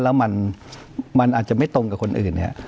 แล้วมันอาจจะไม่ตรงกับคนอื่นเนี่ย